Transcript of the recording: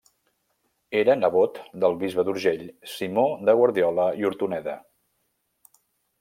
Era nebot del bisbe d'Urgell Simó de Guardiola i Hortoneda.